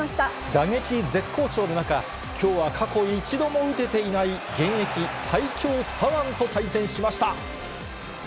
打撃絶好調の中、きょうは過去一度も打てていない、現役最強左腕と対戦しました。